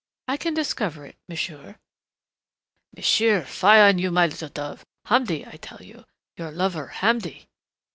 "I can discover it, monsieur." "Monsieur fie on you, my little dove.... Hamdi, I tell you, your lover Hamdi."